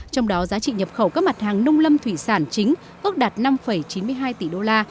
trong đó giá trị nhập khẩu các mặt hàng nông lâm thủy sản chính ước đạt năm chín mươi hai tỷ đô la